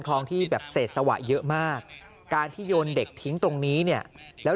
คลองที่แบบเศษสวะเยอะมากการที่โยนเด็กทิ้งตรงนี้เนี่ยแล้ว